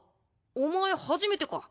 お前初めてか。